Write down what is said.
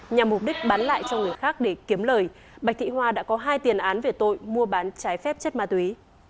nhằm mục đích bán lại cho người khác để kiếm lời bạch thị hoa đã có hai tiền án về tội mua bán trái phép chất ma túy